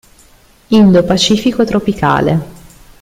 Indo-Pacifico tropicale.